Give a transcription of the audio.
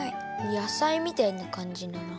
野菜みたいなかんじだな。